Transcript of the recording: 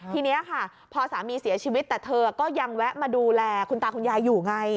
ทีนี้ค่ะพอสามีเสียชีวิตแต่เธอก็ยังแวะมาดูแลคุณตาคุณยายอยู่ไง